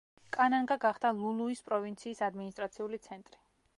კანანგა გახდა ლულუის პროვინციის ადმინისტრაციული ცენტრი.